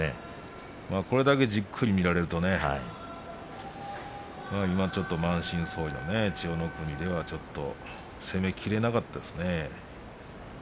これだけじっくり見られるとね今ちょっと満身創いの千代の国では攻めきれなかったですね。